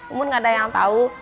umum nggak ada yang tahu